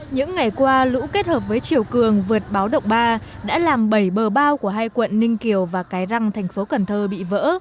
những ngày qua lũ kết hợp với chiều cường vượt báo động ba đã làm bầy bờ bao của hai quận ninh kiều và cái răng thành phố cần thơ bị vỡ